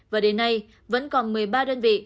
và đến nay vẫn còn một mươi ba đơn vị